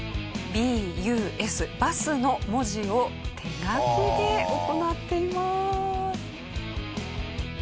「ＢＵＳ」の文字を手書きで行っています。